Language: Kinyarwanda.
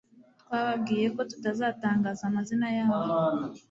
twababwiye ko tutazatangaza amazina yabo.